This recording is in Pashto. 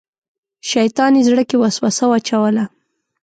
شیطان یې زړه کې وسوسه واچوله.